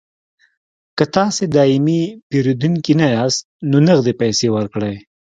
که تاسې دایمي پیرودونکي نه یاست نو نغدې پیسې ورکړئ